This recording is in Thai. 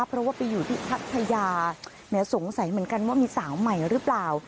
เพราะว่าไปอยู่ที่พัทยาสงสัยเหมือนกันว่ามีสาวใหม่หรือเปล่า